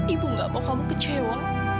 ibu gak mau kamu kecewa